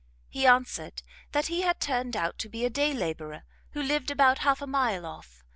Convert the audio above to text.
He answered that he had turned out to be a day labourer, who lived about half a mile off.